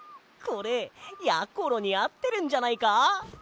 これやころにあってるんじゃないか？